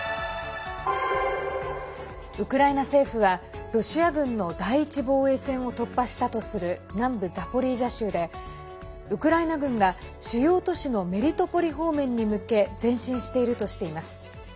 ウクライナ政府はロシア軍の第１防衛線を突破したとする南部ザポリージャ州でウクライナ軍が主要都市のメリトポリ方面に向け前進しているとしています。